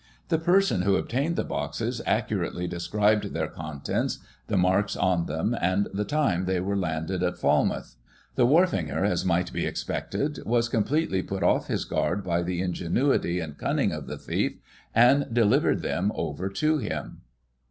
The person who obtained the boxes accurately described their contents, the marks on them, and the time they were landed at Falmouth. The wharfinger, as might be expected, was completely put off his guard by the ingenuity and cunning of the thief, and delivered them over to him.